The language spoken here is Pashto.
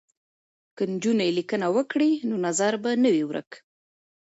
که نجونې لیکنه وکړي نو نظر به نه وي ورک.